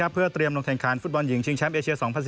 เพื่อเตรียมลงแข่งขันฟุตบอลหญิงชิงแชมป์เอเชีย๒๐๑๙